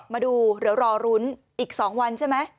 มาดูเดี๋ยวรอรุ้นอีก๒วันใช่ไหม